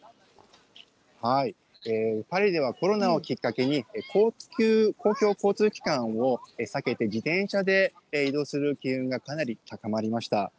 パリではコロナをきっかけに、公共交通機関を避けて自転車で移動する機運がかなり高まりました。